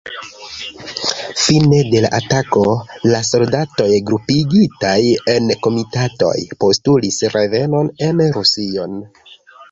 Fine de la atako, la soldatoj grupigitaj en komitatoj postulis revenon en Rusion.